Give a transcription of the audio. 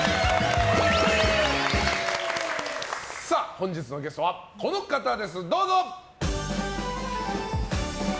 本日のゲストはこの方です。